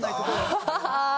ハハハハ。